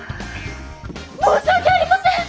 申し訳ありません！